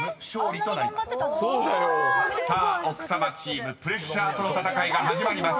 ［さあ奥様チームプレッシャーとの闘いが始まります］